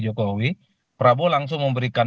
jokowi prabowo langsung memberikan